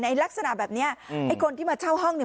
ลักษณะแบบเนี้ยไอ้คนที่มาเช่าห้องเนี่ย